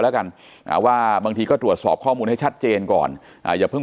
แล้วกันว่าบางทีก็ตรวจสอบข้อมูลให้ชัดเจนก่อนอย่าเพิ่ง